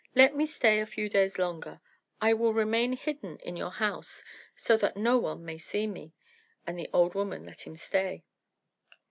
Let me stay a few days longer. I will remain hidden in your house, so that no one may see me." So the old woman let him stay.